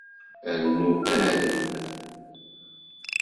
Rnu arem.